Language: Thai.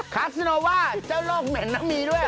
คัสโนว่าเจ้าโลกเหม็นน่ะมีด้วยหรอ